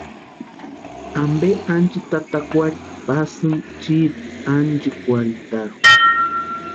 ¿Ampe ánchitatakwari pasïni chiiti ánchikwarhitarhu?